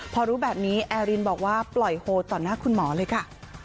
พอรู้แบบนี้แอรินบอกว่าปล่อยโฮต่อหน้าคุณหมอเลยค่ะ